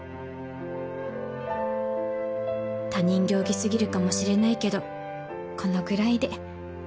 他人行儀すぎるかもしれないけどこのぐらいで